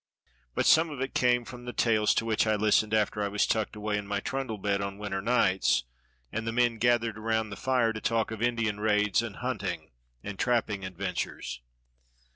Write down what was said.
But some of it came from the tales to which I listened after I was tucked away in my trundle bed on winter nights, and the men gathered around the fire to talk of Indian raids and hunting and trapping adventures.